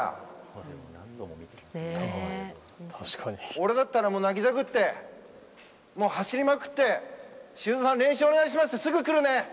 俺だったら泣きじゃくって走りまくって、修造さん練習お願いしますってすぐ来るね！